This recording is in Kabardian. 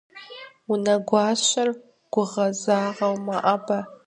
Унэгуащэр гугъэзагъэу мэӀэбэ.